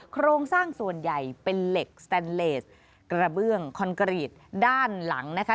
โครงสร้างส่วนใหญ่เป็นเหล็กสแตนเลสกระเบื้องคอนกรีตด้านหลังนะคะ